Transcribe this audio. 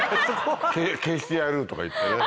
「消してやる」とか言ってね。